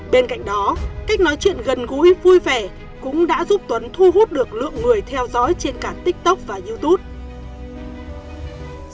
bên cạnh đó cách nói chuyện gần gũi vui vẻ cũng đã giúp tuấn thu hút được lượng người theo dõi trên cả tiktok và youtube